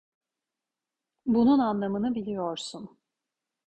Bunun anlamını biliyorsun.